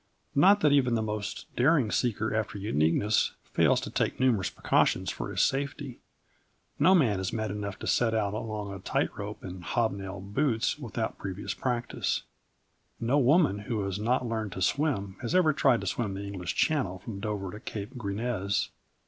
Not that even the most daring seeker after uniqueness fails to take numerous precautions for his safety. No man is mad enough to set out along a tight rope in hobnailed boots with out previous practice. No woman who has not learned to swim has ever tried to swim the English Channel from Dover to Cape Grisnez.